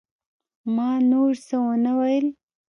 ما نور څه ونه ويل.